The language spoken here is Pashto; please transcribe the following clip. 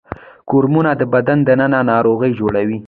کرمونه د بدن دننه ناروغي جوړوي